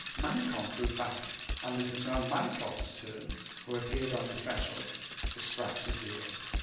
Manicamp drew back, and it was now Malicorne's turn, who appeared on the threshold, to scratch his ear.